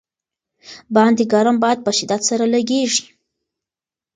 باندې ګرم باد په شدت سره لګېږي.